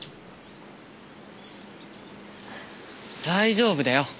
大丈夫だよ。